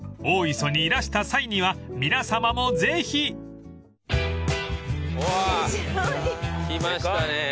［大磯にいらした際には皆さまもぜひ］うわー来ましたね。